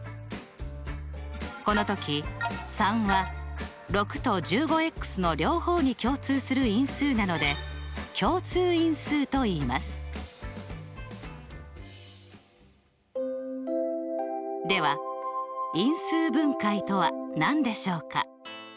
この時３は６と１５の両方に共通する因数なのででは「因数分解」とは何でしょうか？